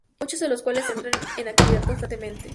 Muchos de los cuales entran en actividad constantemente.